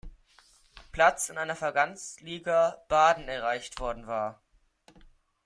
Platz in der Verbandsliga Baden erreicht worden war.